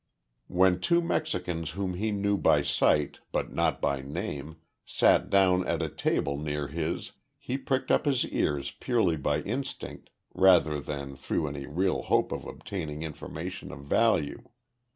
When two Mexicans whom he knew by sight, but not by name, sat down at a table near his he pricked up his ears purely by instinct, rather than through any real hope of obtaining information of value.